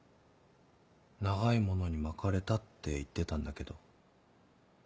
長い物に巻かれたって言ってたんだけど。